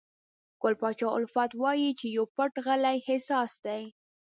ګل پاچا الفت وایي چې پو پټ غلی احساس دی.